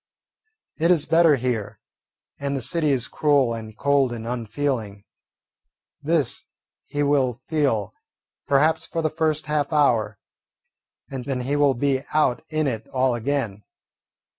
It is better here, and the city is cruel and cold and unfeeling. This he will feel, perhaps, for the first half hour, and then he will be out in it all again.